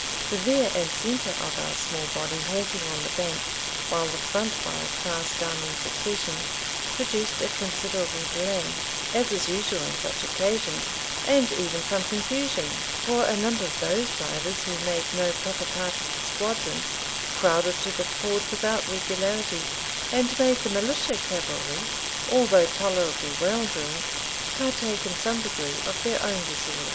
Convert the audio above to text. The rear and centre of our small body halting on the bank while the front files passed down in succession, produced a considerable delay, as is usual on such occasions, and even some confusion; for a number of those riders, who made no proper part of the squadron, crowded to the ford without regularity, and made the militia cavalry, although tolerably well drilled, partake in some degree of their own disorder.